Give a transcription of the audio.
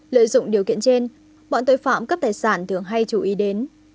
lợi dụng điều kiện trên bọn tội phạm cướp tài sản thường hay chú ý đến